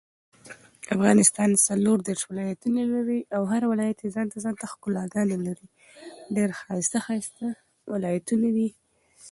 افغانستان څلور دیرش ولایتونه لري او هر ولایت ځانته ځانته ښکلاګاني لري ډېر ښایسته ښایسته ولایتونه دي